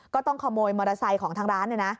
ก็ต้องขโมยมอเตอร์ไซค์ของทางร้าน